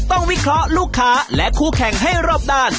วิเคราะห์ลูกค้าและคู่แข่งให้รอบด้าน